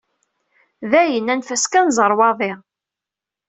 Dayen! Anef-as kan ẓeṛwaḍi.